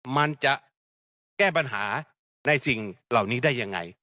มันจะแก้ปัญหาในสิ่งเหล่านี้ได้ยังไง